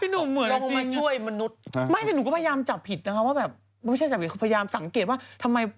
พี่หนุ่มเหมือนจริงนะหมายถึงหนูก็พยายามจับผิดนะครับคือพยายามสังเกตว่า